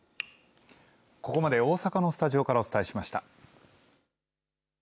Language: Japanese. ここまで大阪のスタジオからお伝えしました。